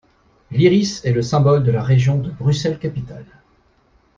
L'Iris est le symbole de la région de Bruxelles-Capitale.